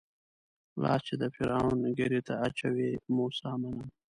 لاس چې د فرعون ږيرې ته اچوي موسی منم.